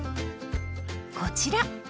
こちら！